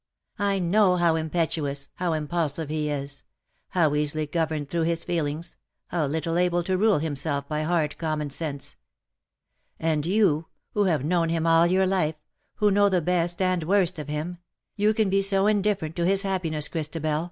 I know how impetuous, how impulsive he is ; how easily governed through his feelings, how little able to rule himself by hard common sense. And you, who have known him all your life — who know the best and worst of him — you can be so indifferent to his happiness, Christabel.